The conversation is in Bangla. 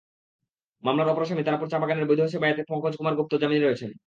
মামলার অপর আসামি তারাপুর চা-বাগানের বৈধ সেবায়েত পংকজ কুমার গুপ্ত জামিনে রয়েছেন।